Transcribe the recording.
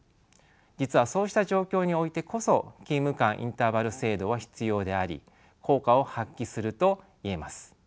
実はそうした状況においてこそ勤務間インターバル制度は必要であり効果を発揮すると言えます。